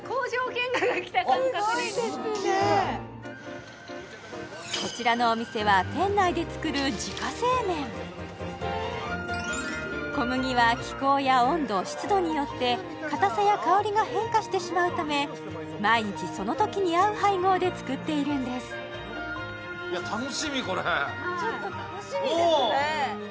すっげえこちらのお店は店内で作る自家製麺小麦は気候や温度湿度によって硬さや香りが変化してしまうため毎日そのときに合う配合で作っているんですちょっと楽しみですね